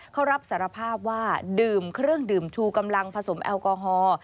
เขารับสารภาพว่าดื่มเครื่องดื่มชูกำลังผสมแอลกอฮอล์